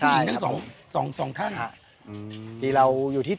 ชื่องนี้ชื่องนี้ชื่องนี้ชื่องนี้ชื่องนี้